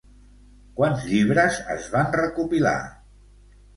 Quants llibres es van recopilar?